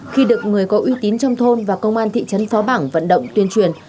khi được người có uy tín trong thôn và công an thị trấn phó bảng vận động tuyên truyền